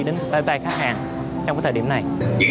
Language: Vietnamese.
đến bae bae khách hàng trong cái thời điểm này